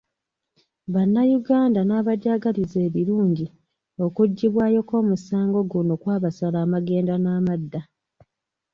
Bannayuganda n'abajagaliza ebirungi okuggibwayo kw'omusango guno kwabasala amagenda n'amadda.